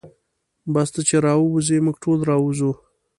بس ته چې راووځې موږ ټول راوځو.